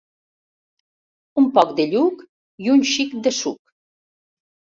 Un poc de lluc i un xic de suc.